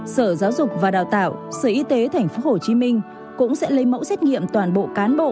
sở giáo dục và đào tạo sở y tế tp hcm cũng sẽ lấy mẫu xét nghiệm toàn bộ cán bộ